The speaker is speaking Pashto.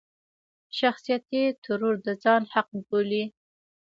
شخصيتي ترور د ځان حق بولي.